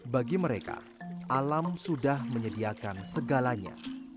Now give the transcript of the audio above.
bagi mereka alam sudah menyediakan segalanya